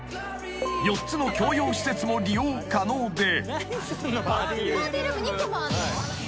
［４つの共用施設も利用可能で］